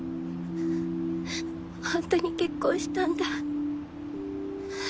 ほんとに結婚したんだ。